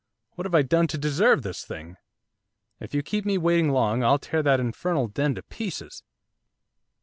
What have I done to deserve this thing? If you keep me waiting long I'll tear that infernal den to pieces!